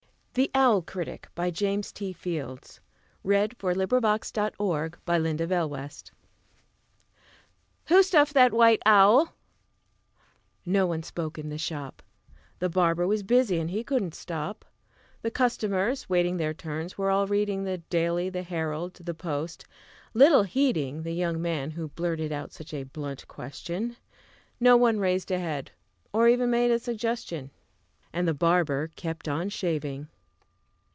safe in harbor When the morn was shining clear. James T. Fields The Owl Critic "WHO stuffed that white owl?" No one spoke in the shop: The barber was busy, and he couldn't stop; The customers, waiting their turns, were all reading The "Daily," the "Herald," the "Post," little heeding The young man who blurted out such a blunt question; Not one raised a head, or even made a suggestion; And the barber kept on shaving.